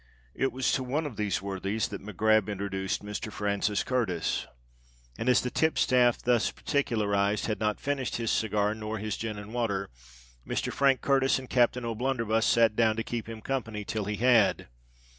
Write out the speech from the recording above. It was to one of these worthies that MacGrab introduced Mr. Francis Curtis; and as the tipstaff thus particularised had not finished his cigar nor his gin and water, Mr. Frank Curtis and Captain O'Blunderbuss sate down to keep him company till he had.